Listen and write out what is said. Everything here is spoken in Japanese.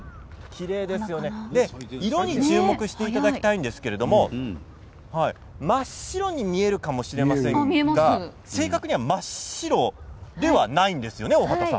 色に注目していただきたいんですけども真っ白に見えるかもしれませんが正確には真っ白ではないんですよね。